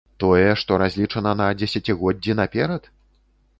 Тое, што разлічана на дзесяцігоддзі наперад?